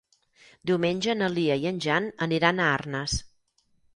Diumenge na Lia i en Jan aniran a Arnes.